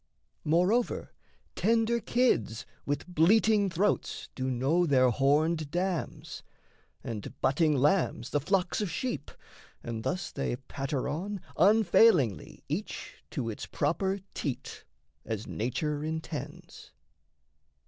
Moreover, tender kids with bleating throats Do know their horned dams, and butting lambs The flocks of sheep, and thus they patter on, Unfailingly each to its proper teat, As nature intends.